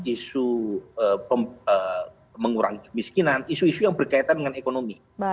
isu mengurangi kemiskinan isu isu yang berkaitan dengan ekonomi